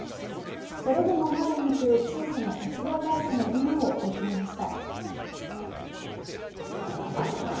それでも前を向く小さな鉄道会社の今を見つめました。